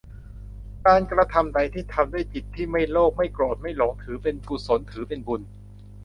การกระทำใดที่ทำด้วยจิตที่ไม่โลภ ไม่โกรธ ไม่หลง ถือเป็นกุศล คือเป็นบุญ